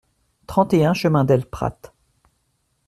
trente et un chemin del Prat